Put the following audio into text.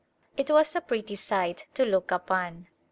It was a pretty sight to look upon.